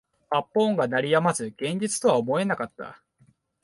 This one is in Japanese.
発砲音が鳴り止まず現実とは思えなかった